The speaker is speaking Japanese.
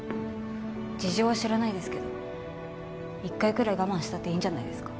事情は知らないですけど一回ぐらい我慢したっていいんじゃないですか？